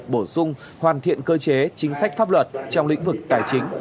bổ sung hoàn thiện cơ chế chính sách pháp luật trong lĩnh vực tài chính